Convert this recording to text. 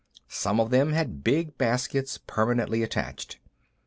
Some of them had big baskets permanently attached.